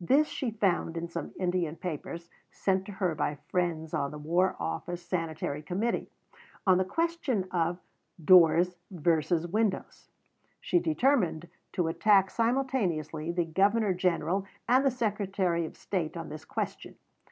This she found in some Indian papers, sent to her by friends on the War Office Sanitary Committee, on the question of "Doors versus Windows." She determined to attack simultaneously the Governor General and the Secretary of State on this question.